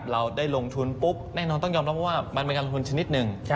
เราได้ลงทุนปุ๊บแน่นอนต้องยอมรับว่ามันเป็นการลงทุนชนิดหนึ่ง